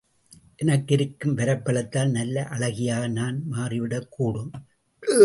எனக்கிருக்கும் வரபலத்தால் நல்ல அழகியாக நான் மாறிவிடக் கூடும்.